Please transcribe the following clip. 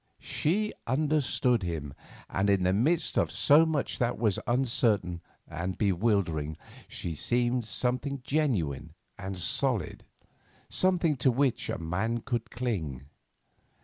She understood him, and in the midst of so much that was uncertain and bewildering she seemed something genuine and solid, something to which a man could cling.